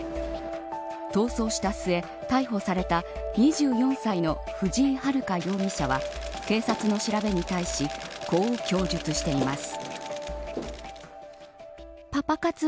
逃走した末、逮捕された２４歳の藤井遥容疑者は警察の調べに対しこう供述しています。